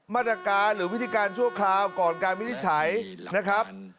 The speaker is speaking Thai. มาตรการหรือวิธีการชั่วคราวก่อนการวินิจฉัยนะครับ